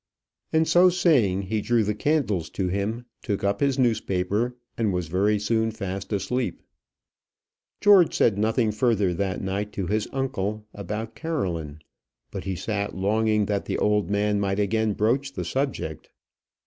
And so saying, he drew the candles to him, took up his newspaper, and was very soon fast asleep. George said nothing further that night to his uncle about Caroline, but he sat longing that the old man might again broach the subject.